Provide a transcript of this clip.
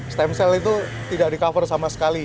stem cell itu tidak di cover sama sekali